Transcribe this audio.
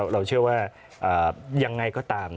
เราเชื่อว่ายังไงก็ตาม